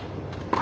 あ！